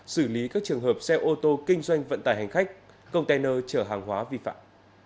xử lý các trường hợp xe ô tô kinh doanh vận tải hành khách container chở hàng hóa vi phạm